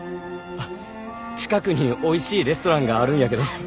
あっ近くにおいしいレストランがあるんやけど。